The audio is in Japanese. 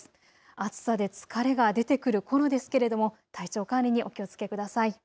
暑さで疲れが出てくるころですけれども体調管理にお気をつけください。